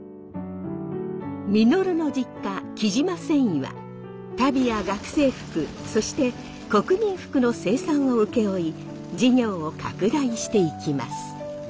稔の実家雉真繊維は足袋や学生服そして国民服の生産を請け負い事業を拡大していきます。